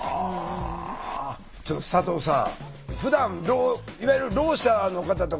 ちょっと佐藤さん